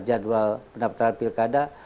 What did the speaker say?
jadwal pendaftaran pilkada